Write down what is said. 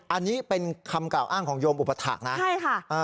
อันนี้เป็นคำกล่าวอ้างของโยมอุปถักษ์นะใช่ค่ะ